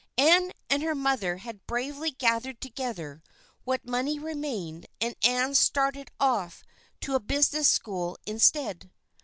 Ann and her mother had bravely gathered together what money remained, and Ann started off to a business school instead.